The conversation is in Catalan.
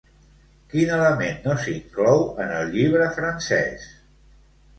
Quin element no s'inclou en el llibre francès?